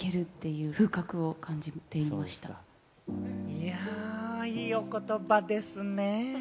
いや、いいお言葉ですね。